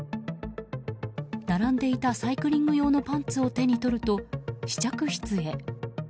並んでいたサイクリング用のパンツを手に取ると試着室へ。